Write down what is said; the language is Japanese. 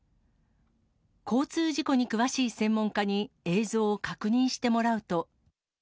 交通事故に詳しい専門家に、映像を確認してもらうと。